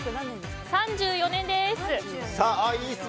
１９３４年です。